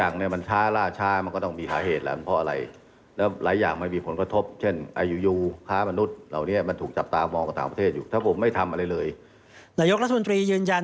นายกรัฐมนตรียืนยัน